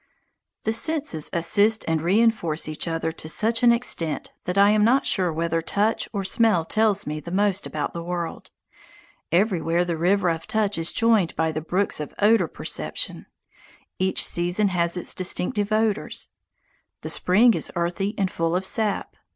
The senses assist and reinforce each other to such an extent that I am not sure whether touch or smell tells me the most about the world. Everywhere the river of touch is joined by the brooks of odour perception. Each season has its distinctive odours. The spring is earthy and full of sap.